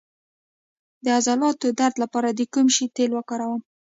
د عضلاتو درد لپاره د کوم شي تېل وکاروم؟